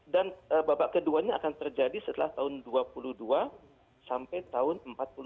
dan babak keduanya akan terjadi setelah tahun dua puluh dua sampai tahun empat puluh tiga